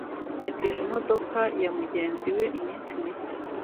Yatije imodoka ya mugenzi we iminsi mike.